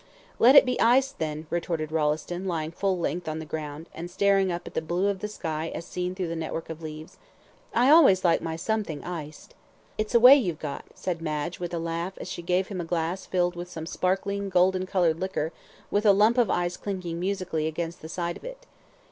"Let it be iced then," retorted Rolleston, lying full length on the ground, and staring up at the blue of the sky as seen through the network of leaves. "I always like my 'something' iced." "It's a way you've got," said Madge, with a laugh, as she gave him a glass filled with some sparkling, golden coloured liquor, with a lump of ice clinking musically against the side of it.